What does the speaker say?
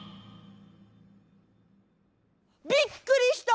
びっくりした！